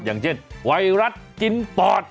อย่างเช่นไวรัสกินปอด